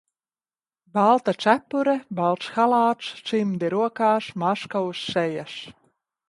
Balta cepure, balts halāts, cimdi rokās, maska uz sejas.